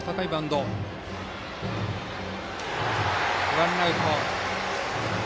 ワンアウト。